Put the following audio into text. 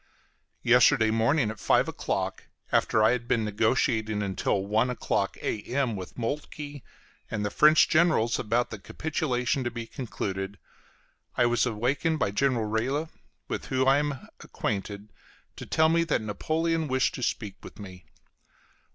Yesterday morning at five o'clock, after I had been negotiating until one o'clock A.M. with Moltke and the French generals about the capitulation to be concluded, I was awakened by General Reille, with whom I am acquainted, to tell me that Napoleon wished to speak with me.